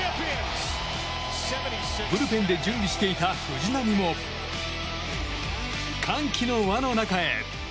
ブルペンで準備していた藤浪も歓喜の輪の中へ。